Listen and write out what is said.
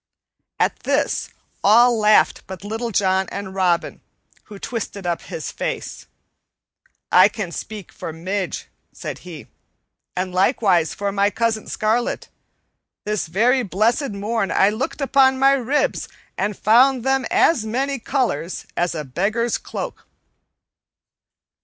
At this all laughed but Little John and Robin, who twisted up his face. "I can speak for Midge," said he, "and likewise for my cousin Scarlet. This very blessed morn I looked at my ribs and found them as many colors as a beggar's cloak."